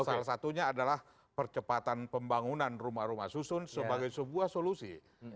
salah satunya adalah percepatan pembangunan rumah rumah susun sebagai sebuah solusi